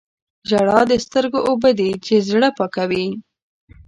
• ژړا د سترګو اوبه دي چې زړه پاکوي.